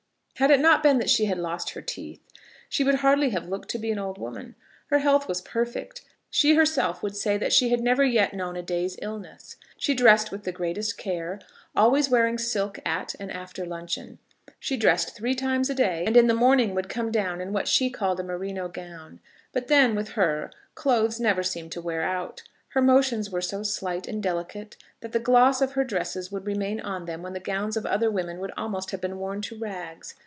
Had it not been that she had lost her teeth, she would hardly have looked to be an old woman. Her health was perfect. She herself would say that she had never yet known a day's illness. She dressed with the greatest care, always wearing silk at and after luncheon. She dressed three times a day, and in the morning would come down in what she called a merino gown. But then, with her, clothes never seemed to wear out. Her motions were so slight and delicate, that the gloss of her dresses would remain on them when the gowns of other women would almost have been worn to rags.